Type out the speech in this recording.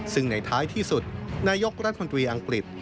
ซึ่งในท้ายที่สุดนายกรัฐมนตรีอังกฤษ